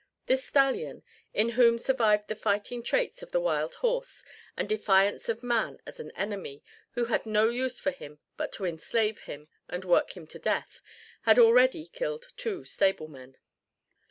This stallion, in whom survived the fighting traits of the wild horse and defiance of man as an enemy who had no use for him but to enslave him and work him to death, had already killed two stablemen.